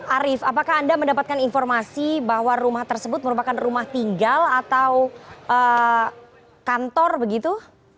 arief apakah anda mendapatkan informasi bahwa rumah tersebut merupakan rumah tinggal atau kantor begitu